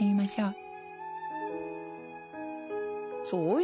そう。